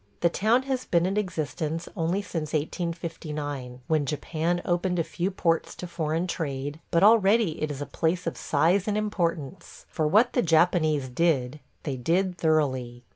The town has been in existence only since 1859, when Japan opened a few ports to foreign trade, but already it is a place of size and importance; for what the Japanese did, they did thoroughly.